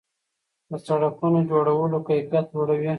د سړکونو جوړولو کیفیت لوړ وي.